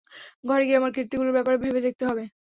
ঘরে গিয়ে আমার কীর্তিগুলোর ব্যাপারে ভেবে দেখতে হবে।